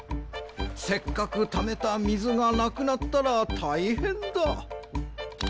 せっかくためたみずがなくなったらたいへんだ。